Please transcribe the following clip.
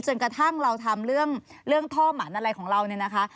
กระทั่งเราทำเรื่องท่อหมันอะไรของเราเนี่ยนะคะ